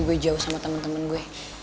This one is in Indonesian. gue jauh sama temen temen gue